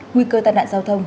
nguy cơ tai nạn giao thông